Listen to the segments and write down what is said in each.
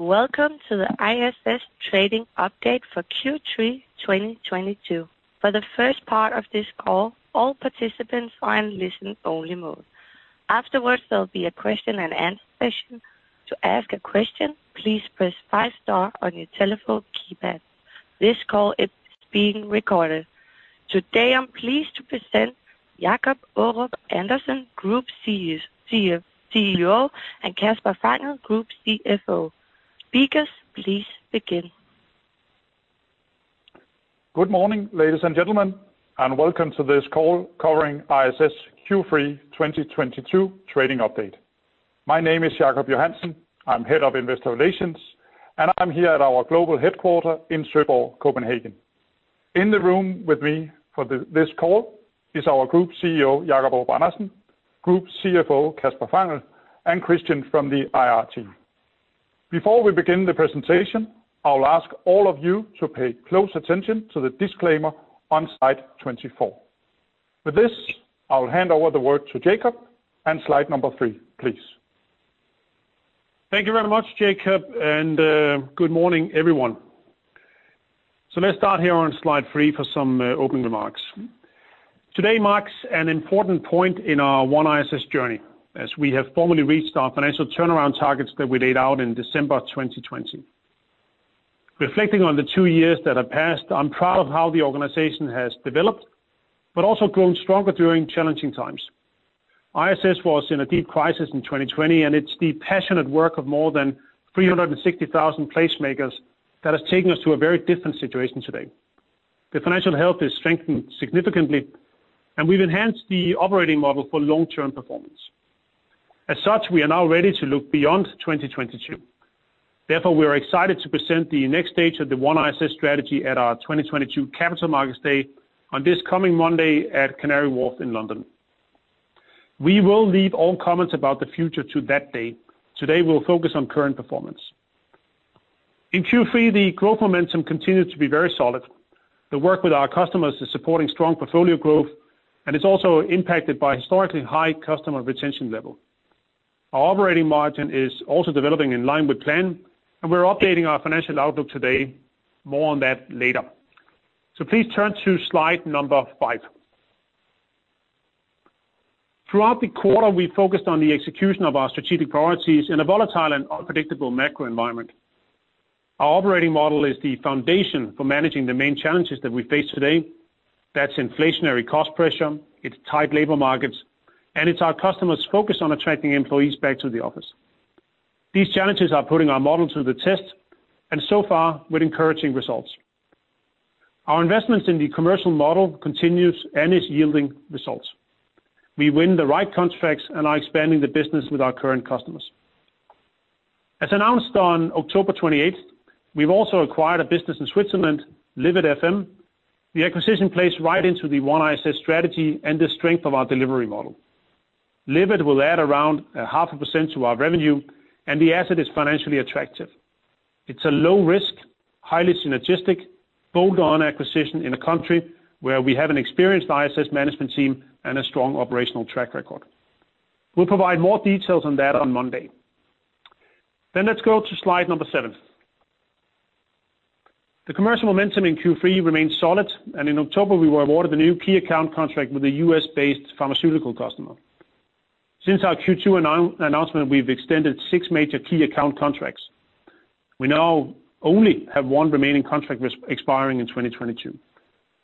Welcome to the ISS trading Update for Q3 2022. For the first part of this call, all participants are in listen-only mode. Afterwards, there'll be a question-and-answer session. To ask a question, please press star star on your telephone keypad. This call is being recorded. Today, I'm pleased to present Jacob Aarup-Andersen, Group CEO, and Kasper Fangel, Group CFO. Speakers, please begin. Good morning, ladies and gentlemen, and welcome to this call covering ISS Q3 2022 Trading Update. My name is Jacob Johansen. I'm Head of Investor Relations, and I'm here at our global headquarter in Søborg, Copenhagen. In the room with me for this call is our Group CEO, Jacob Aarup-Andersen, Group CFO, Kasper Fangel, and Christian from the IR team. Before we begin the presentation, I'll ask all of you to pay close attention to the disclaimer on slide 24. With this, I will hand over the word to Jacob, and slide number three, please. Thank you very much, Jacob, and good morning, everyone. Let's start here on slide three for some opening remarks. Today marks an important point in our OneISS journey as we have formally reached our financial turnaround targets that we laid out in December 2020. Reflecting on the two years that have passed, I'm proud of how the organization has developed, but also grown stronger during challenging times. ISS was in a deep crisis in 2020, and it's the passionate work of more than 360,000 placemakers that has taken us to a very different situation today. The financial health is strengthened significantly, and we've enhanced the operating model for long-term performance. As such, we are now ready to look beyond 2022. Therefore, we are excited to present the next stage of the OneISS strategy at our 2022 Capital Markets Day on this coming Monday at Canary Wharf in London. We will leave all comments about the future to that date. Today, we'll focus on current performance. In Q3, the growth momentum continued to be very solid. The work with our customers is supporting strong portfolio growth, and it's also impacted by historically high customer retention level. Our operating margin is also developing in line with plan, and we're updating our financial outlook today. More on that later. Please turn to slide number five. Throughout the quarter, we focused on the execution of our strategic priorities in a volatile and unpredictable macro environment. Our operating model is the foundation for managing the main challenges that we face today. That's inflationary cost pressure, it's tight labor markets, and it's our customers' focus on attracting employees back to the office. These challenges are putting our model to the test, and so far with encouraging results. Our investments in the commercial model continues and is yielding results. We win the right contracts and are expanding the business with our current customers. As announced on October 28, we've also acquired a business in Switzerland, Livit FM. The acquisition plays right into the OneISS strategy and the strength of our delivery model. Livit will add around 0.5% to our revenue, and the asset is financially attractive. It's a low-risk, highly synergistic, bolt-on acquisition in a country where we have an experienced ISS management team and a strong operational track record. We'll provide more details on that on Monday. Let's go to slide number seven. The commercial momentum in Q3 remains solid, and in October, we were awarded a new key account contract with a U.S.-based pharmaceutical customer. Since our Q2 announcement, we've extended six major key account contracts. We now only have one remaining contract expiring in 2022.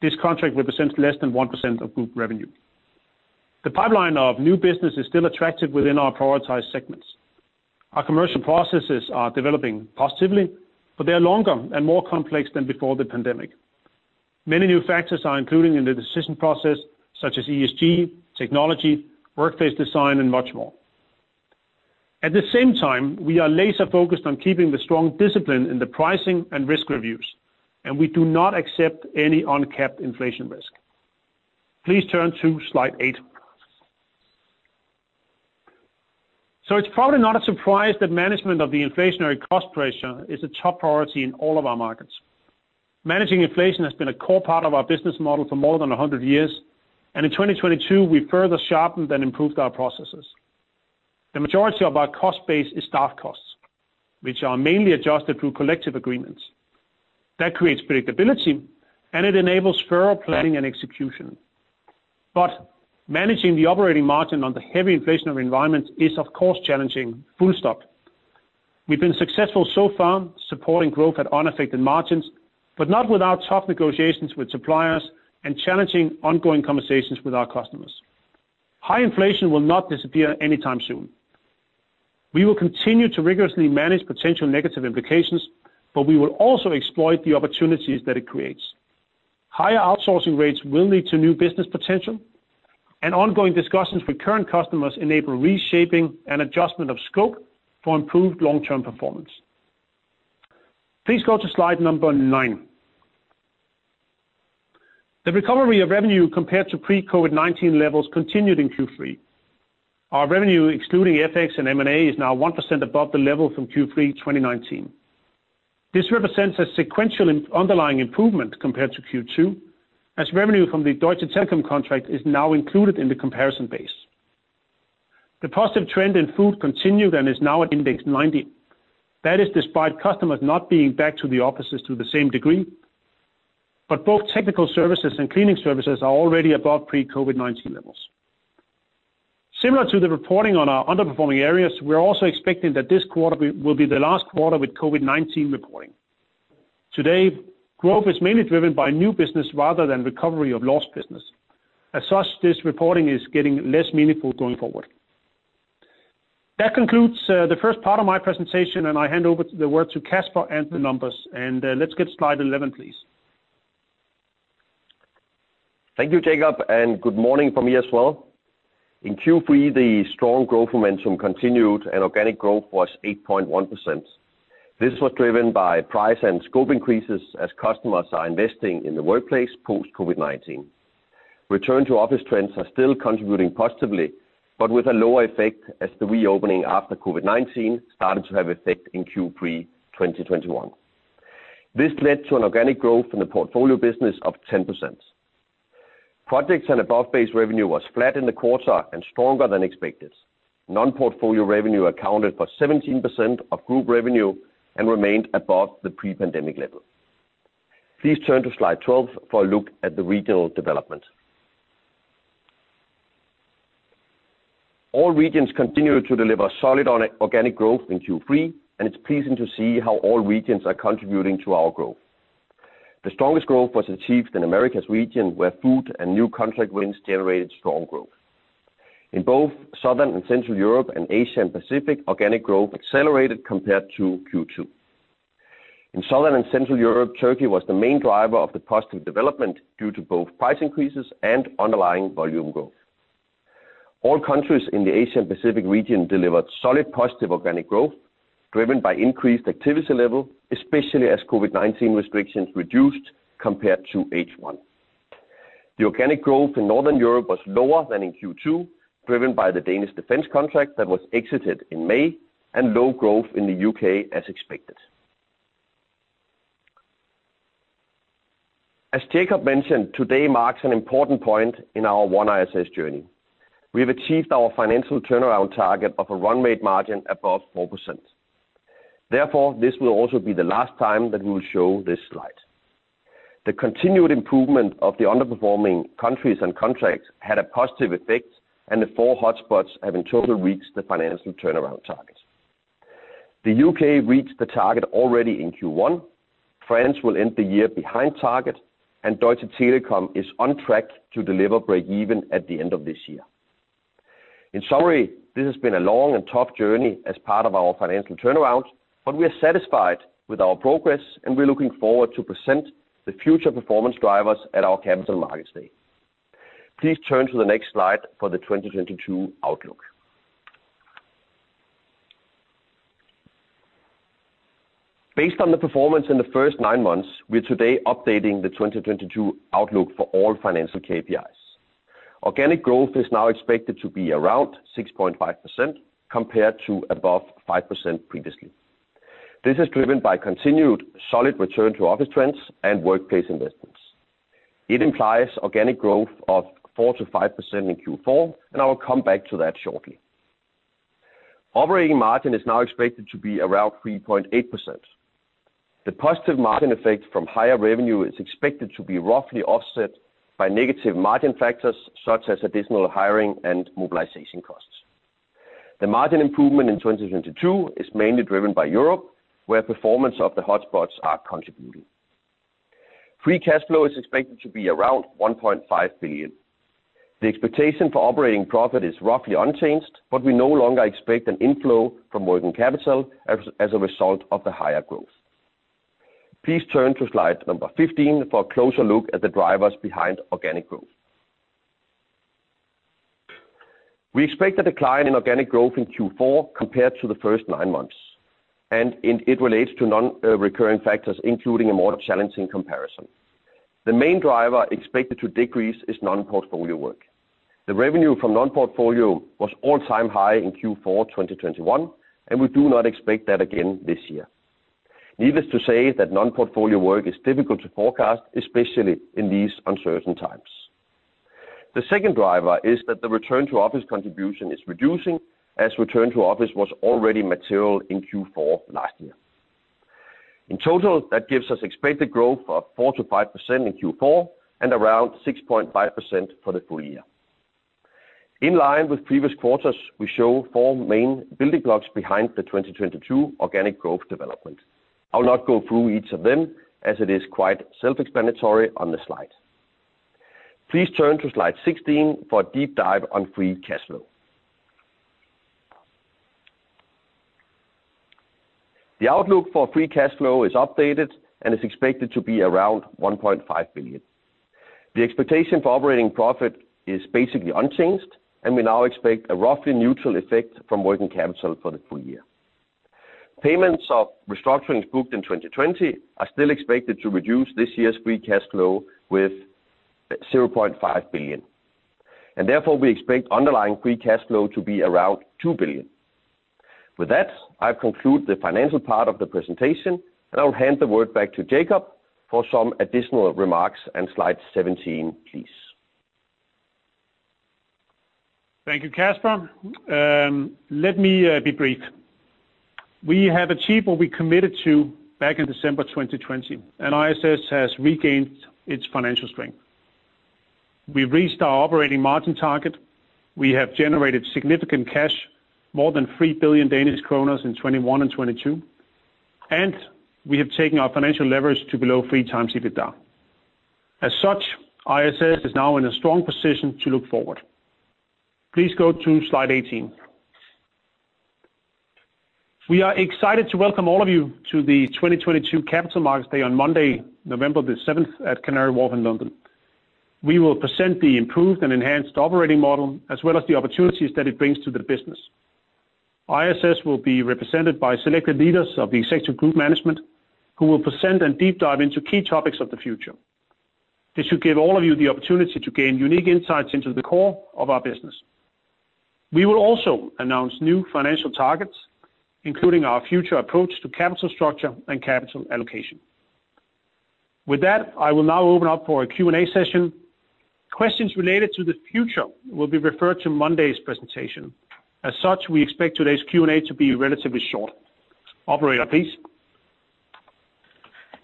This contract represents less than 1% of group revenue. The pipeline of new business is still attractive within our prioritized segments. Our commercial processes are developing positively, but they are longer and more complex than before the pandemic. Many new factors are included in the decision process such as ESG, technology, workplace design, and much more. At the same time, we are laser-focused on keeping the strong discipline in the pricing and risk reviews, and we do not accept any uncapped inflation risk. Please turn to slide eight. It's probably not a surprise that management of the inflationary cost pressure is a top priority in all of our markets. Managing inflation has been a core part of our business model for more than 100 years, and in 2022, we further sharpened and improved our processes. The majority of our cost base is staff costs, which are mainly adjusted through collective agreements. That creates predictability, and it enables thorough planning and execution. Managing the operating margin on the heavy inflationary environment is, of course, challenging, full stop. We've been successful so far, supporting growth at unaffected margins, but not without tough negotiations with suppliers and challenging ongoing conversations with our customers. High inflation will not disappear anytime soon. We will continue to rigorously manage potential negative implications, but we will also exploit the opportunities that it creates. Higher outsourcing rates will lead to new business potential and ongoing discussions with current customers enable reshaping and adjustment of scope for improved long-term performance. Please go to slide number nine. The recovery of revenue compared to pre-COVID-19 levels continued in Q3. Our revenue, excluding FX and M&A, is now 1% above the level from Q3 2019. This represents a sequential underlying improvement compared to Q2, as revenue from the Deutsche Telekom contract is now included in the comparison base. The positive trend in food continued and is now at index 90. That is despite customers not being back to the offices to the same degree. Both technical services and cleaning services are already above pre-COVID-19 levels. Similar to the reporting on our underperforming areas, we're also expecting that this quarter will be the last quarter with COVID-19 reporting. Today, growth is mainly driven by new business rather than recovery of lost business. As such, this reporting is getting less meaningful going forward. That concludes the first part of my presentation, and I hand over the work to Kasper and the numbers. Let's get slide 11, please. Thank you, Jacob, and good morning from me as well. In Q3, the strong growth momentum continued, and organic growth was 8.1%. This was driven by price and scope increases as customers are investing in the workplace post COVID-19. Return to office trends are still contributing positively, but with a lower effect as the reopening after COVID-19 started to have effect in Q3, 2021. This led to an organic growth in the portfolio business of 10%. Projects and above base revenue was flat in the quarter and stronger than expected. Non-portfolio revenue accounted for 17% of group revenue and remained above the pre-pandemic level. Please turn to slide 12 for a look at the regional development. All regions continued to deliver solid on organic growth in Q3, and it's pleasing to see how all regions are contributing to our growth. The strongest growth was achieved in Americas region, where food and new contract wins generated strong growth. In both Southern and Central Europe, and Asia and Pacific, organic growth accelerated compared to Q2. In Southern and Central Europe, Turkey was the main driver of the positive development due to both price increases and underlying volume growth. All countries in the Asia and Pacific region delivered solid positive organic growth driven by increased activity level, especially as COVID-19 restrictions reduced compared to H1. The organic growth in Northern Europe was lower than in Q2, driven by the Danish Defence contract that was exited in May and low growth in the U.K. as expected. As Jacob mentioned, today marks an important point in our OneISS journey. We have achieved our financial turnaround target of a run rate margin above 4%. Therefore, this will also be the last time that we will show this slide. The continued improvement of the underperforming countries and contracts had a positive effect, and the four hotspots have in total reached the financial turnaround targets. The U.K. reached the target already in Q1. France will end the year behind target, and Deutsche Telekom is on track to deliver break even at the end of this year. In summary, this has been a long and tough journey as part of our financial turnaround, but we are satisfied with our progress, and we're looking forward to present the future performance drivers at our Capital Markets Day. Please turn to the next slide for the 2022 outlook. Based on the performance in the first nine months, we're today updating the 2022 outlook for all financial KPIs. Organic growth is now expected to be around 6.5% compared to above 5% previously. This is driven by continued solid return to office trends and workplace investments. It implies organic growth of 4%-5% in Q4, and I will come back to that shortly. Operating margin is now expected to be around 3.8%. The positive margin effect from higher revenue is expected to be roughly offset by negative margin factors such as additional hiring and mobilization costs. The margin improvement in 2022 is mainly driven by Europe, where performance of the hotspots are contributing. Free cash flow is expected to be around 1.5 billion. The expectation for operating profit is roughly unchanged, but we no longer expect an inflow from working capital as a result of the higher growth. Please turn to slide number 15 for a closer look at the drivers behind organic growth. We expect a decline in organic growth in Q4 compared to the first nine months, and it relates to non-recurring factors, including a more challenging comparison. The main driver expected to decrease is non-portfolio work. The revenue from non-portfolio was all-time high in Q4 2021, and we do not expect that again this year. Needless to say that non-portfolio work is difficult to forecast, especially in these uncertain times. The second driver is that the return to office contribution is reducing, as return to office was already material in Q4 last year. In total, that gives us expected growth of 4%-5% in Q4 and around 6.5% for the full year. In line with previous quarters, we show four main building blocks behind the 2022 organic growth development. I will not go through each of them as it is quite self-explanatory on the slide. Please turn to slide 16 for a deep dive on free cash flow. The outlook for free cash flow is updated and is expected to be around 1.5 billion. The expectation for operating profit is basically unchanged, and we now expect a roughly neutral effect from working capital for the full year. Payments of restructurings booked in 2020 are still expected to reduce this year's free cash flow with 0.5 billion. Therefore, we expect underlying free cash flow to be around 2 billion. With that, I conclude the financial part of the presentation, and I'll hand the word back to Jacob for some additional remarks on slide 17, please. Thank you, Kasper. Let me be brief. We have achieved what we committed to back in December 2020, and ISS has regained its financial strength. We reached our operating margin target. We have generated significant cash, more than 3 billion Danish kroner in 2021 and 2022, and we have taken our financial leverage to below 3x EBITDA. As such, ISS is now in a strong position to look forward. Please go to slide 18. We are excited to welcome all of you to the 2022 Capital Markets Day on Monday, November 7th, at Canary Wharf in London. We will present the improved and enhanced operating model as well as the opportunities that it brings to the business. ISS will be represented by selected leaders of the executive group management who will present and deep dive into key topics of the future. This should give all of you the opportunity to gain unique insights into the core of our business. We will also announce new financial targets, including our future approach to capital structure and capital allocation. With that, I will now open up for a Q&A session. Questions related to the future will be referred to Monday's presentation. As such, we expect today's Q&A to be relatively short. Operator, please.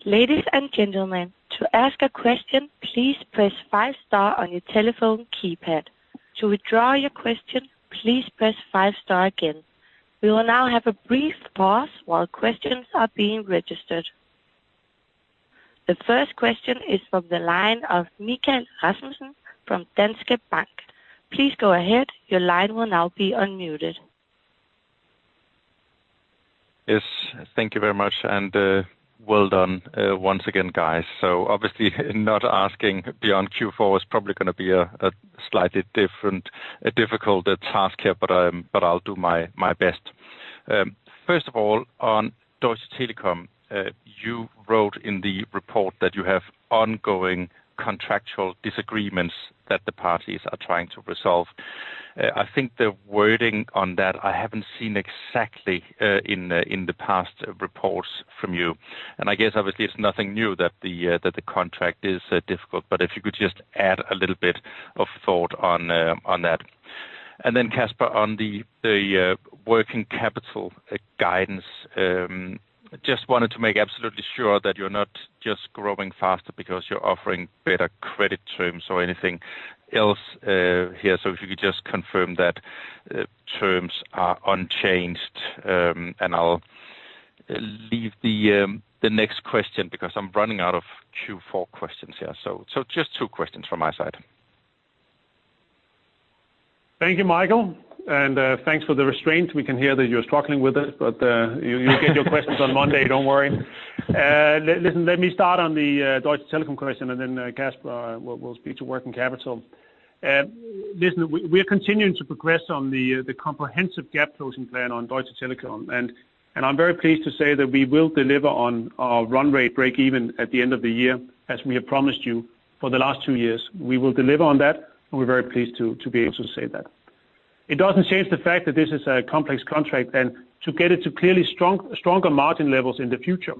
Ladies and gentlemen, to ask a question, please press five star on your telephone keypad. To withdraw your question, please press five star again. We will now have a brief pause while questions are being registered. The first question is from the line of Michael Vitfell-Rasmussen from Danske Bank. Please go ahead. Your line will now be unmuted. Yes, thank you very much, and well done once again, guys. Obviously, not asking beyond Q4 is probably gonna be a slightly different, difficult task here, but I'll do my best. First of all, on Deutsche Telekom, you wrote in the report that you have ongoing contractual disagreements that the parties are trying to resolve. I think the wording on that I haven't seen exactly in the past reports from you. I guess, obviously it's nothing new that the contract is difficult, but if you could just add a little bit of thought on that. Then Kasper, on the working capital guidance, just wanted to make absolutely sure that you're not just growing faster because you're offering better credit terms or anything else here. If you could just confirm that terms are unchanged, and I'll leave the next question because I'm running out of Q4 questions here. Just two questions from my side. Thank you, Michael, and thanks for the restraint. We can hear that you're struggling with it, but you'll get your questions on Monday. Don't worry. Listen, let me start on the Deutsche Telekom question, and then Kasper will speak to working capital. Listen, we're continuing to progress on the comprehensive gap-closing plan on Deutsche Telekom. I'm very pleased to say that we will deliver on our run rate breakeven at the end of the year, as we have promised you for the last two years. We will deliver on that. We're very pleased to be able to say that. It doesn't change the fact that this is a complex contract, and to get it to clearly stronger margin levels in the future,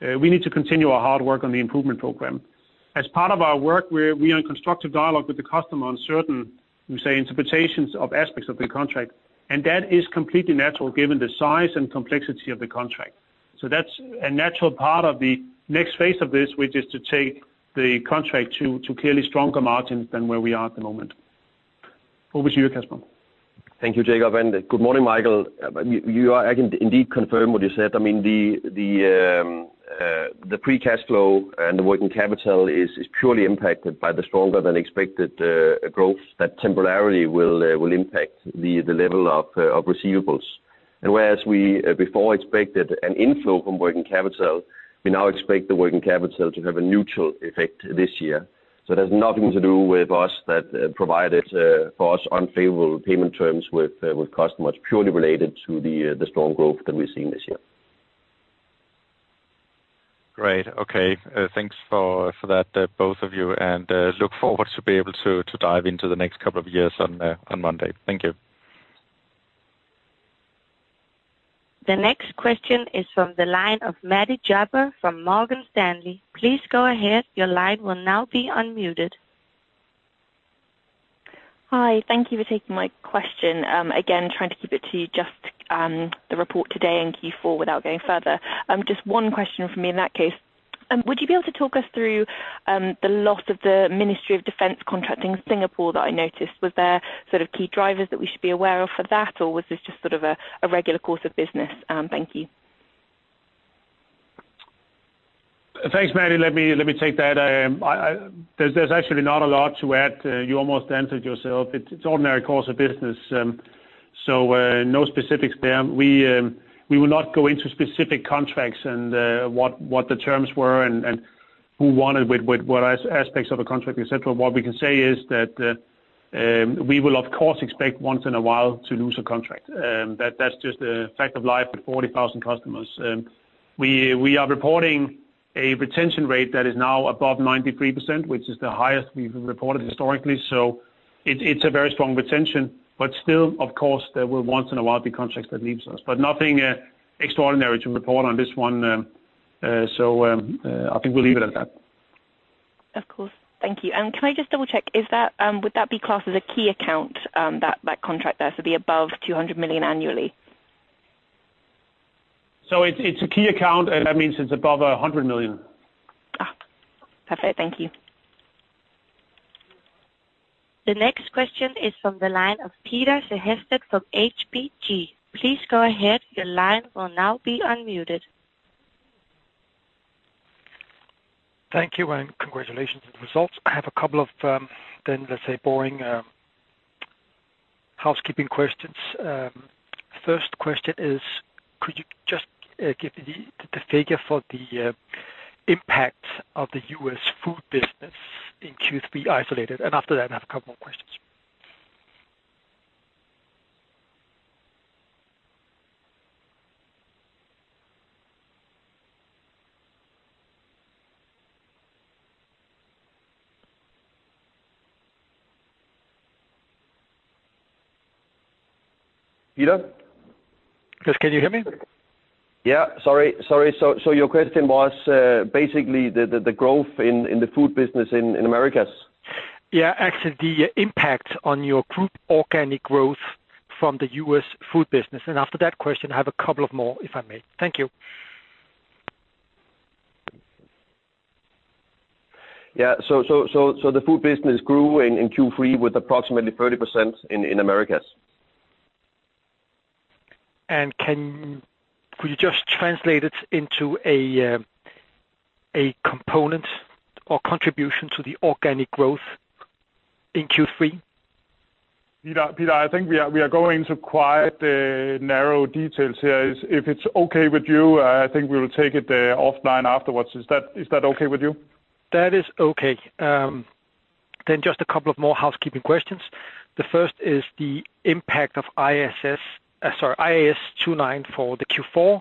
we need to continue our hard work on the improvement program. As part of our work, we're in constructive dialogue with the customer on certain, we say, interpretations of aspects of the contract, and that is completely natural given the size and complexity of the contract. That's a natural part of the next phase of this, which is to take the contract to clearly stronger margins than where we are at the moment. Over to you, Kasper. Thank you, Jacob, and good morning, Michael. I can indeed confirm what you said. I mean, the free cash flow and the working capital is purely impacted by the stronger than expected growth that temporarily will impact the level of receivables. Whereas we before expected an inflow from working capital, we now expect the working capital to have a neutral effect this year. It has nothing to do with us that provided for us unfavorable payment terms with customers, purely related to the strong growth that we're seeing this year. Great. Okay. Thanks for that, both of you, and look forward to be able to dive into the next couple of years on Monday. Thank you. The next question is from the line of Maddy Jaber from Morgan Stanley. Please go ahead. Your line will now be unmuted. Hi. Thank you for taking my question. Again, trying to keep it to just the report today in Q4 without going further. Just one question from me in that case. Would you be able to talk us through the loss of the Ministry of Defence contract in Singapore that I noticed? Was there sort of key drivers that we should be aware of for that, or was this just sort of a regular course of business? Thank you. Thanks, Maddy. Let me take that. There's actually not a lot to add. You almost answered yourself. It's an ordinary course of business, so no specifics there. We will not go into specific contracts and what the terms were and who won it, with what aspects of a contract, et cetera. What we can say is that we will, of course, expect once in a while to lose a contract. That's just a fact of life with 40,000 customers. We are reporting A retention rate that is now above 93%, which is the highest we've reported historically. It's a very strong retention. Still, of course, there will once in a while be contracts that leaves us, but nothing extraordinary to report on this one. I think we'll leave it at that. Of course. Thank you. Can I just double-check, would that be classed as a key account, that contract there, so above 200 million annually? It's a key account, and that means it's above 100 million. Perfect. Thank you. The next question is from the line of Peter Sehested from ABG. Please go ahead. Your line will now be unmuted. Thank you, and congratulations on the results. I have a couple of, let's say, boring housekeeping questions. First question is, could you just give the figure for the impact of the U.S. food business in Q3 isolated? After that, I have a couple more questions. Peter? Yes, can you hear me? Sorry. Your question was basically the growth in the food business in Americas? Yeah. Actually, the impact on your group organic growth from the U.S. food business? After that question, I have a couple of more, if I may. Thank you. The food business grew in Q3 with approximately 30% in Americas. Could you just translate it into a component or contribution to the organic growth in Q3? Peter, I think we are going into quite narrow details here. If it's okay with you, I think we will take it offline afterwards. Is that okay with you? That is okay. Then just a couple of more housekeeping questions. The first is the impact of IAS 29 for the Q4.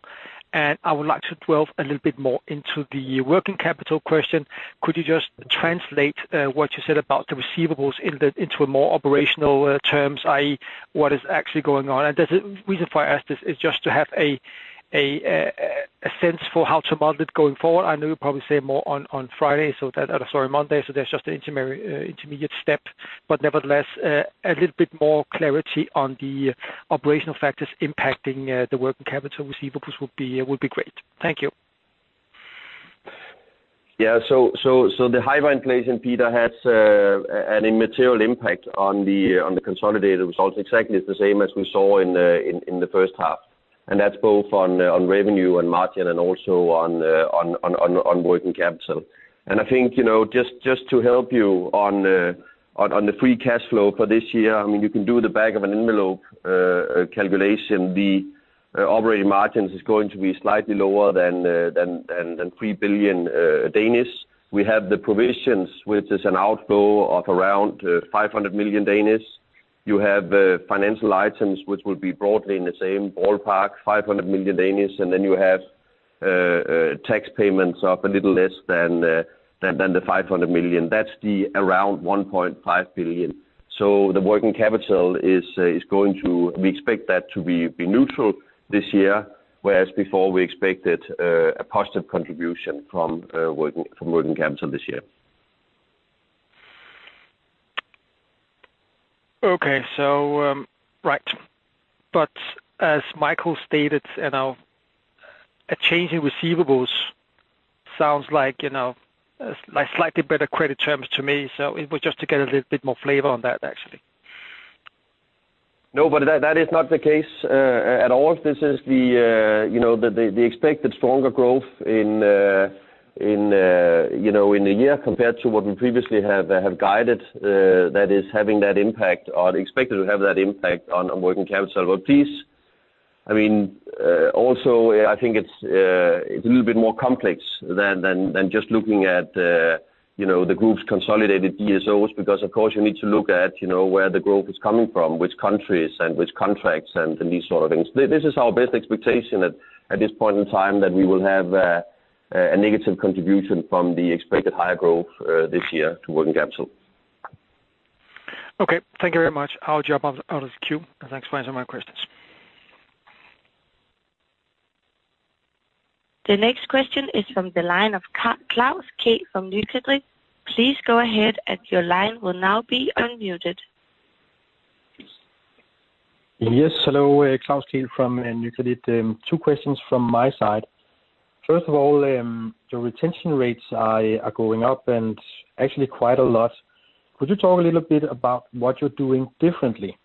I would like to delve a little bit more into the working capital question. Could you just translate what you said about the receivables in the into a more operational terms, i.e. what is actually going on? There's a reason why I ask this is just to have a sense for how to model it going forward. I know you'll probably say more on Friday. Or sorry, Monday, so that's just an intermediate step. Nevertheless, a little bit more clarity on the operational factors impacting the working capital receivables would be great. Thank you. Yeah. The high inflation, Peter, has an immaterial impact on the consolidated results, exactly the same as we saw in the first half. That's both on revenue and margin, and also on working capital. I think, you know, just to help you on the free cash flow for this year, I mean, you can do the back-of-an-envelope calculation. The operating margins is going to be slightly lower than 3 billion DKK. We have the provisions, which is an outflow of around 500 million DKK. You have financial items, which will be broadly in the same ballpark, 500 million DKK. You have tax payments of a little less than 500 million. That's around 1.5 billion. We expect that to be neutral this year, whereas before we expected a positive contribution from working capital this year. As Michael Rasmussen stated, you know, a change in receivables sounds like, you know, like slightly better credit terms to me. It was just to get a little bit more flavor on that, actually. No, that is not the case at all. This is the, you know, the expected stronger growth in, you know, in the year compared to what we previously have guided, that is having that impact or expected to have that impact on working capital. Please, I mean, also, I think it's a little bit more complex than just looking at, you know, the group's consolidated DSOs because of course you need to look at, you know, where the growth is coming from, which countries and which contracts and these sort of things. This is our best expectation at this point in time that we will have a negative contribution from the expected higher growth this year to working capital. Okay. Thank you very much. I'll drop off out of the queue. Thanks for answering my questions. The next question is from the line of Klaus Kehl from Nykredit. Please go ahead, and your line will now be unmuted. Yes. Hello. Klaus Kehl from Nykredit. Two questions from my side. First of all, your retention rates are going up and actually quite a lot. Could you talk a little bit about what you're doing differently?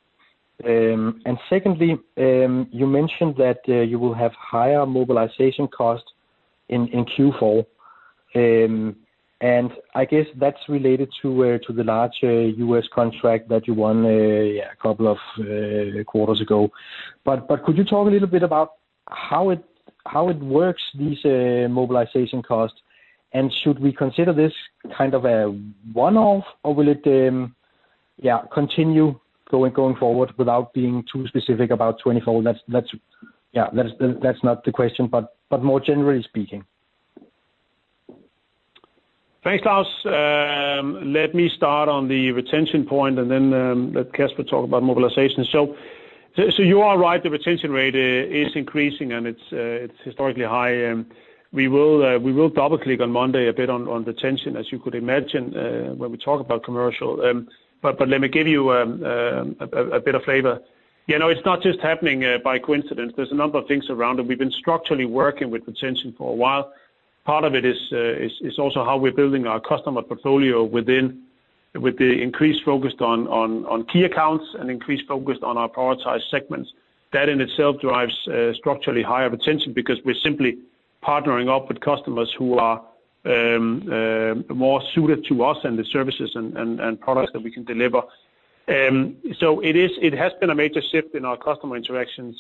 Secondly, you mentioned that you will have higher mobilization costs in Q4. I guess that's related to the large U.S. contract that you won a couple of quarters ago. Could you talk a little bit about how it works, these mobilization costs? Should we consider this kind of a one-off or will it-- Yeah, continue going forward without being too specific about 2024. That's not the question, but more generally speaking. Thanks, Klaus. Let me start on the retention point, and then let Kasper talk about mobilization. You are right, the retention rate is increasing, and it's historically high. We will probably click on Monday a bit on retention, as you could imagine, when we talk about commercial. But let me give you a bit of flavor. You know, it's not just happening by coincidence. There's a number of things around it. We've been structurally working with retention for a while. Part of it is also how we're building our customer portfolio with the increased focus on key accounts and increased focus on our prioritized segments. That in itself drives structurally higher retention because we're simply partnering up with customers who are more suited to us and the services and products that we can deliver. It has been a major shift in our customer interactions.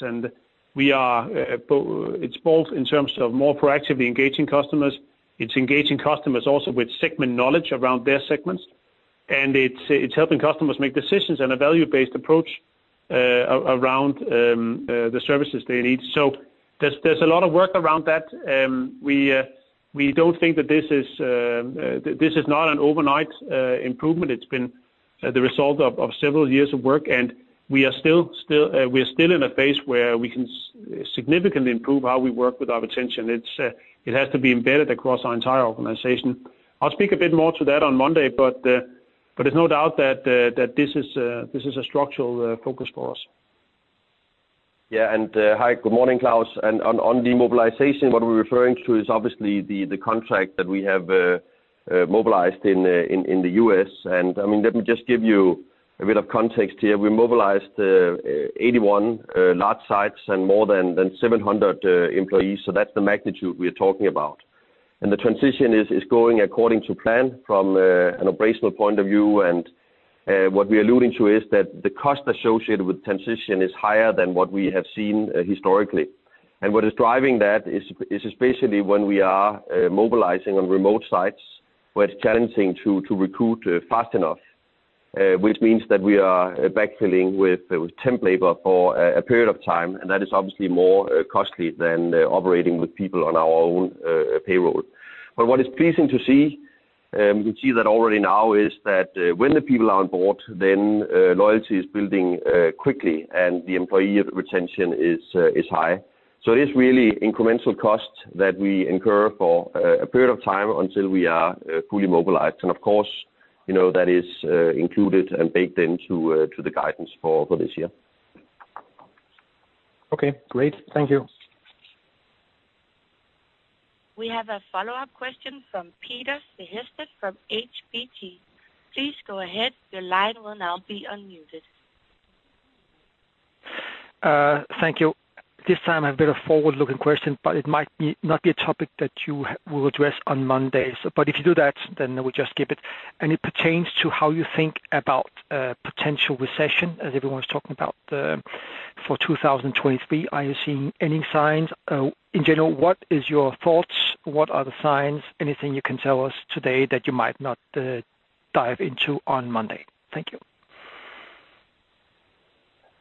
It's both in terms of more proactively engaging customers. It's engaging-customers also with segment knowledge around their segments. It's helping customers make decisions in a value-based approach around the services they need. There's a lot of work around that. We don't think that this is not an overnight improvement. It's been the result of several years of work, and we are still in a phase where we can significantly improve how we work with our retention. It has to be embedded across our entire organization. I'll speak a bit more to that on Monday, but there's no doubt that this is a structural focus for us. Yeah, hi, good morning, Klaus. On the mobilization, what we're referring to is obviously the contract that we have mobilized in the U.S. I mean, let me just give you a bit of context here. We mobilized 81 large sites and more than 700 employees, so that's the magnitude we're talking about. The transition is going according to plan from an operational point of view. What we're alluding to is that the cost associated with transition is higher than what we have seen historically. What is driving that is basically when we are mobilizing on remote sites where it's challenging to recruit fast enough, which means that we are backfilling with temp labor for a period of time, and that is obviously more costly than operating with people on our own payroll. What is pleasing to see, we see that already now is that, when the people are on board, loyalty is building quickly, and the employee retention is high. It is really incremental costs that we incur for a period of time until we are fully mobilized. Of course, you know, that is included and baked into the guidance for this year. Okay, great. Thank you. We have a follow-up question from Peter Sehested from Handelsbanken. Please go ahead. Your line will now be unmuted. Thank you. This time I have a bit of forward-looking question, but it might be, not be a topic that you will address on Monday. If you do that, then we just keep it. It pertains to how you think about potential recession, as everyone's talking about for 2023. Are you seeing any signs? In general, what is your thoughts? What are the signs? Anything you can tell us today that you might not dive into on Monday? Thank you.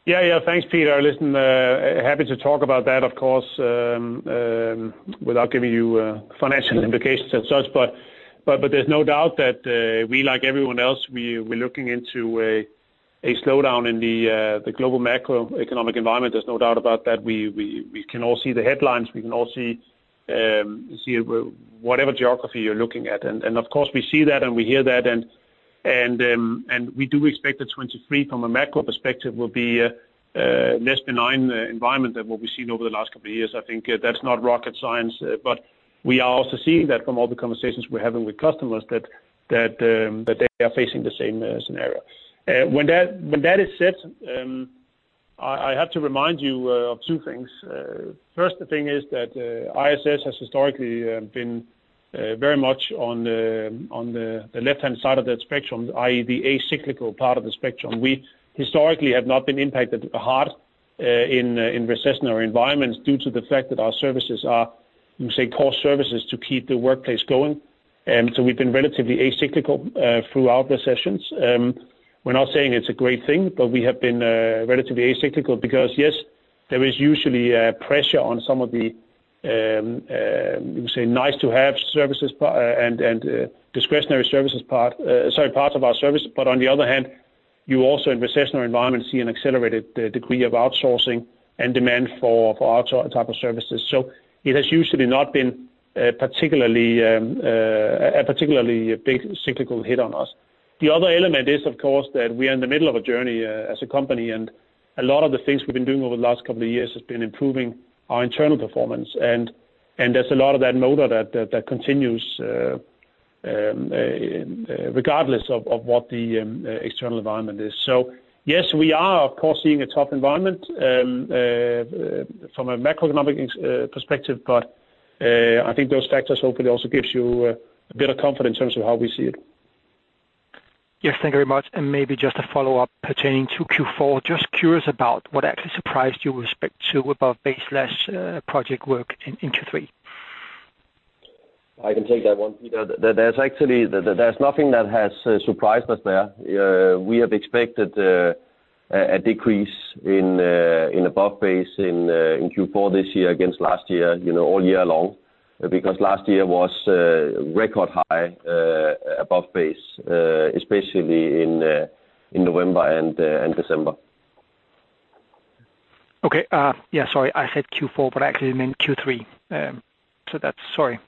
Yeah. Thanks, Peter. Listen, happy to talk about that, of course, without giving you financial implications as such. But there's no doubt that we like everyone else, we're looking into a slowdown in the global macroeconomic environment. There's no doubt about that. We can all see the headlines. We can all see whatever geography you're looking at. Of course, we see that, and we hear that, and we do expect that 2023 from a macro perspective will be a less benign environment than what we've seen over the last couple of years. I think, that's not rocket science, but we are also seeing that from all the conversations we're having with customers that they are facing the same scenario. When that is said, I have to remind you of two things. First thing is that ISS has historically been very much on the left-hand side of that spectrum, i.e., the less cyclical part of the spectrum. We historically have not been impacted hard in recessionary environments due to the fact that our services are, you say, core services to keep the workplace going. So we've been relatively less cyclical throughout recessions. We're not saying it's a great thing, but we have been relatively less cyclical because, yes, there is usually a pressure on some of the, you could say, nice-to-have services and discretionary services parts of our service. On the other hand, you also in recessionary environments see an accelerated degree of outsourcing and demand for our type of services. It has usually not been particularly big cyclical hit on us. The other element is, of course, that we are in the middle of a journey as a company, and a lot of the things we've been doing over the last couple of years has been improving our internal performance. There's a lot of that motor that continues regardless of what the external environment is. Yes, we are of course seeing a tough environment from a macroeconomic perspective, but I think those factors hopefully also gives you a bit of comfort in terms of how we see it. Yes, thank you very much. Maybe just a follow-up pertaining to Q4. Just curious about what actually surprised you with respect to above baseline project work in Q3. I can take that one, Peter. There's actually nothing that has surprised us there. We have expected a decrease in above base in Q4 this year against last year, you know, all year long. Because last year was record high above base, especially in November and December. Okay. Yeah, sorry. I said Q4, but I actually meant Q3. Sorry.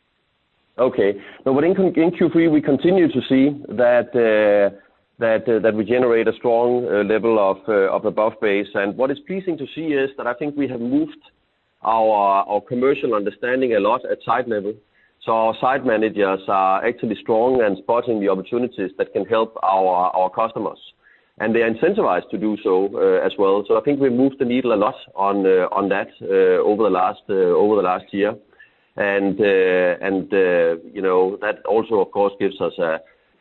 Okay. In Q3, we continue to see that we generate a strong level of above base. What is pleasing to see is that I think we have moved our commercial understanding a lot at site level. Our site managers are actually strong, and spotting the opportunities that can help our customers. They're incentivized to do so as well. I think we've moved the needle a lot on that over the last year. You know, that also of course gives us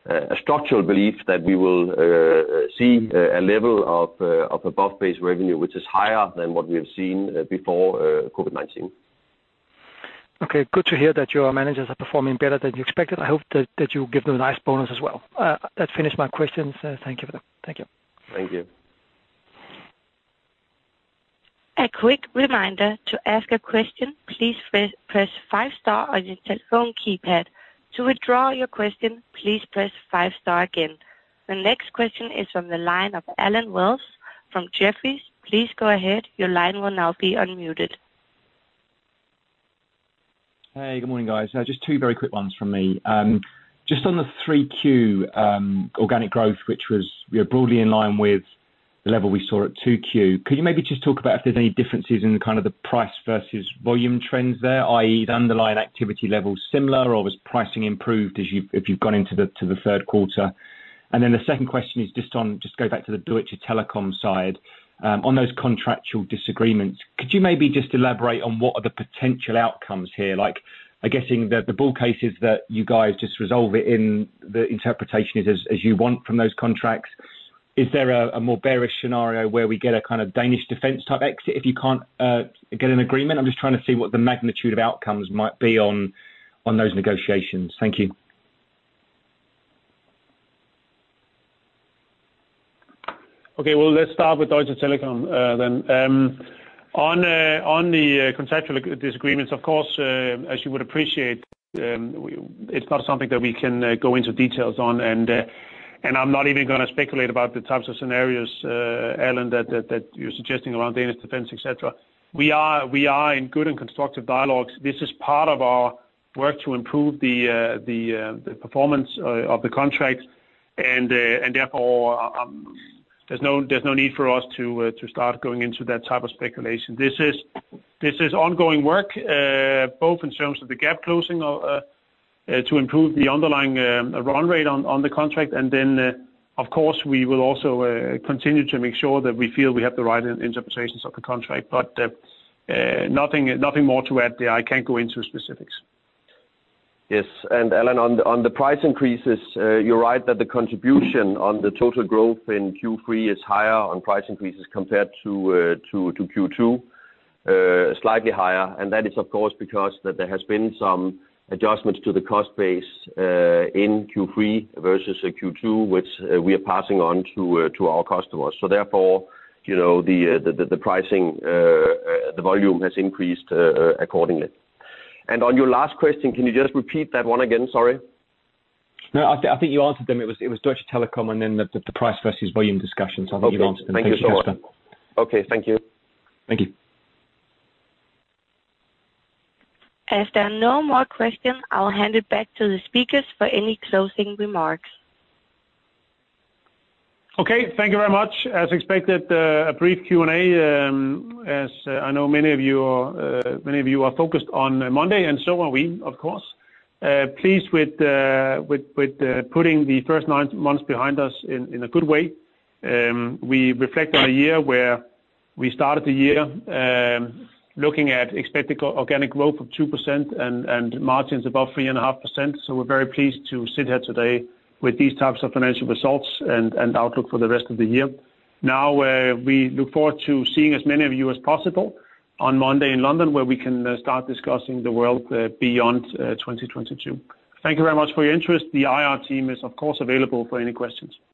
a structural belief that we will see a level of above base revenue, which is higher than what we have seen before COVID-19. Okay. Good to hear that your managers are performing better than you expected. I hope that you give them a nice bonus as well. That finishes my questions. Thank you for that. Thank you. Thank you. A quick reminder. To ask a question, please press five star on your telephone keypad. To withdraw your question, please press five star again. The next question is from the line of Allen Wells from Jefferies. Please go ahead. Your line will now be unmuted. Hey, good morning, guys. Just two very quick ones from me. Just on the 3Q, organic growth, which was, you know, broadly in line with the level we saw at 2Q. Could you maybe just talk about if there's any differences in kind of the price versus volume trends there? I.e., the underlying activity levels similar, or was pricing improved as if you've gone into the, to the third quarter? The second question is just on, just go back to the Deutsche Telekom side. On those contractual disagreements, could you maybe just elaborate on what are the potential outcomes here? Like, I'm guessing the bull case is that you guys just resolve it in the interpretation as you want from those contracts. Is there a more bearish scenario where we get a kind of Danish Defence type exit if you can't get an agreement? I'm just trying to see what the magnitude of outcomes might be on those negotiations. Thank you. Okay. Well, let's start with Deutsche Telekom, then. On the contractual disagreements, of course, as you would appreciate, it's not something that we can go into details on. I'm not even gonna speculate about the types of scenarios, Allen, that you're suggesting around Danish Defence, et cetera. We are in good and constructive dialogues. This is part of our work to improve the performance of the contracts, and therefore, there's no need for us to start going into that type of speculation. This is ongoing work, both in terms of the gap closing to improve the underlying run rate on the contract. Of course, we will also continue to make sure that we feel we have the right interpretations of the contract. Nothing more to add there. I can't go into specifics. Yes. Allen, on the price increases, you're right that the contribution on the total growth in Q3 is higher on price increases compared to Q2. Slightly higher, and that is of course, because there has been some adjustments to the cost base in Q3 versus Q2, which we are passing on to our customers. Therefore, you know, the pricing, the volume has increased accordingly. On your last question, can you just repeat that one again? Sorry. No, I think you answered them. It was Deutsche Telekom and then the price versus volume discussions. Okay. I think you answered them. Thank you so much. Thank you, Kasper. Okay, thank you. Thank you. As there are no more questions, I'll hand it back to the speakers for any closing remarks. Okay. Thank you very much. As expected, a brief Q&A. As I know, many of you are focused on Monday, and so are we, of course. Pleased with putting the first nine months behind us in a good way. We reflect on a year where we started the year looking at expected organic growth of 2% and margins above 3.5%. We're very pleased to sit here today with these types of financial results and outlook for the rest of the year. Now, we look forward to seeing as many of you as possible on Monday in London, where we can start discussing the world beyond 2022. Thank you very much for your interest. The IR team is, of course, available for any questions.